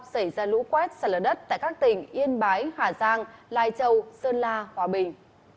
xảy ra lũ quét sạt lở đất tại các tỉnh yên bái hà giang lai châu sơn la hòa bình